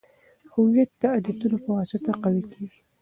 هویت د عادتونو په واسطه قوي کیږي.